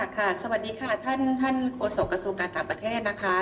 สวัสดีค่ะท่านโฆษกระทรวงการต่างประเทศนะคะ